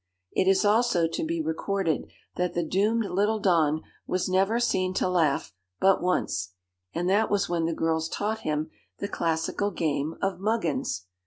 It is also to be recorded that the doomed little Don was never seen to laugh but once, and that was when the girls taught him the classical game of Muggins.